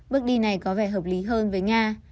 bước đi này có vẻ hợp lý hơn với nga